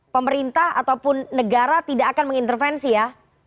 pemerintah ataupun negara tidak akan mengintervensi ya